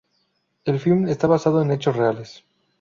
El film está basado en hechos reales.